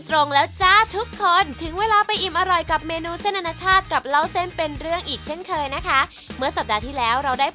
เราอย่าไปคิดเล็กคิดน้อยในบางส่วน